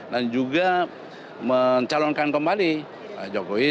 dan juga mencalonkan kembali jokowi